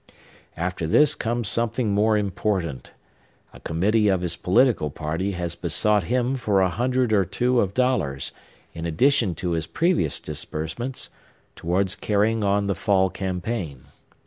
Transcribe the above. After this comes something more important. A committee of his political party has besought him for a hundred or two of dollars, in addition to his previous disbursements, towards carrying on the fall campaign.